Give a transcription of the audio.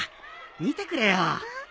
見てくれよ。